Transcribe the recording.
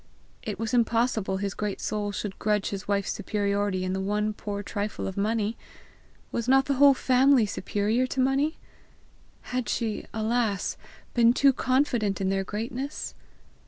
It was impossible his great soul should grudge his wife's superiority in the one poor trifle of money! Was not the whole family superior to money! Had she, alas, been too confident in their greatness?